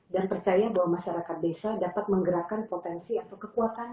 dan percaya bahwa masyarakat desa dapat menggerakkan potensi atau kekuatan